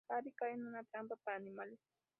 Harry cae en una trampa para animales.